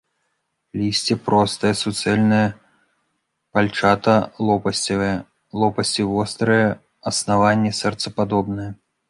Лісце простае, суцэльнае, пальчата-лопасцевае, лопасці вострыя, аснаванне сэрцападобнае.